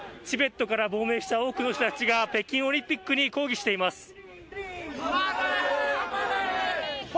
チベットから亡命した多くの人たちが北京オリンピックに抗議しています。